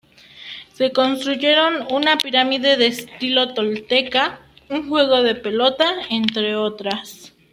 Se construyeron una pirámide de estilo Tolteca, un juego de pelota, entre otras.